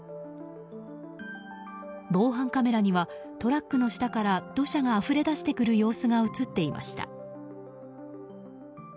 防犯カメラにはトラックの下から土砂があふれ出してくる様子が映っていました。